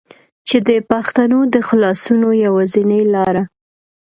چې دې پښتنو د خلاصونو يوازينۍ لاره